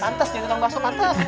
pantes jadi tengkong baso pantes